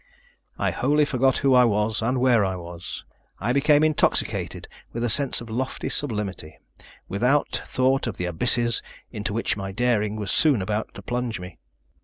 I wholly forgot who I was, and where I was. I became intoxicated with a sense of lofty sublimity, without thought of the abysses into which my daring was soon about to plunge me.